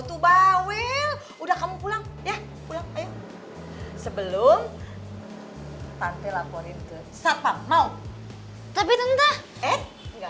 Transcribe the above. coba will udah kamu pulang ya pulang sebelum tante laporin ke sapa mau tapi tenta eh enggak